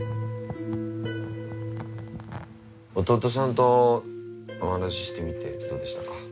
弟さんとお話ししてみてどうでしたか？